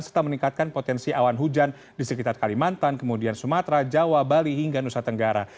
serta meningkatkan potensi awan hujan di sekitar kalimantan kemudian sumatera jawa bali hingga nusa tenggara